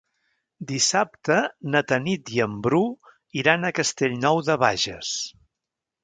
Dissabte na Tanit i en Bru iran a Castellnou de Bages.